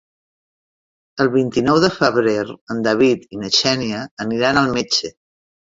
El vint-i-nou de febrer en David i na Xènia aniran al metge.